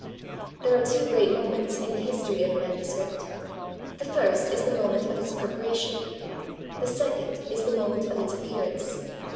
There are two great moments in the history of a manuscript. The first is the moment of its preparation; the second is the moment of its appearance.